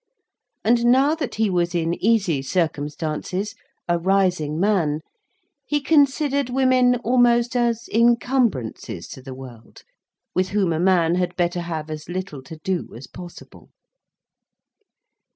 And now that he was in easy circumstances, a rising man, he considered women almost as incumbrances to the world, with whom a man had better have as little to do as possible.